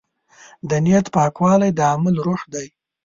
د نیت پاکوالی د عمل روح دی.